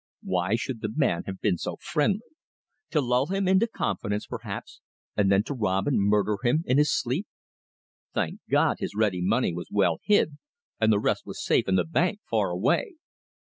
Why should the man have been so friendly? To lull him into confidence, perhaps, and then to rob and murder him in his sleep. Thank God, his ready money was well hid, and the rest was safe in the bank far away!